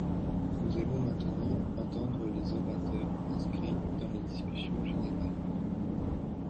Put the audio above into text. Nous allons maintenant entendre les orateurs inscrits dans la discussion générale.